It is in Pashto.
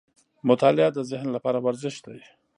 • مطالعه د ذهن لپاره ورزش دی.